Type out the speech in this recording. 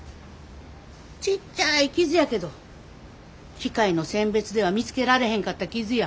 ちっちゃい傷やけど機械の選別では見つけられへんかった傷や。